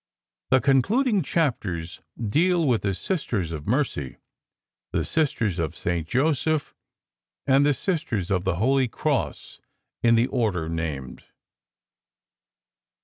The concluding chapters deal with the Sisters of Mercy, the Sisters of St. Joseph and the Sisters of the Holy Cross in the order named.